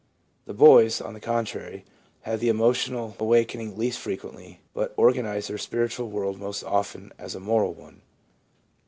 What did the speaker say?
The boys, on the contrary, have the emotional awakening least frequently, but organise their spiritual world most often as a moral one.